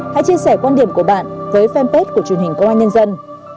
hãy chia sẻ quan điểm của bạn với fanpage của truyền hình công an nhân dân